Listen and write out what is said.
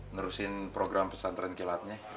nerusin program pesantren kilatnya